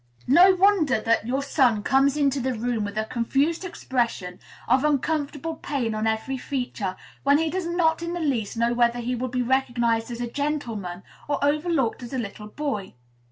No wonder that your son comes into the room with a confused expression of uncomfortable pain on every feature, when he does not in the least know whether he will be recognized as a gentleman, or overlooked as a little boy.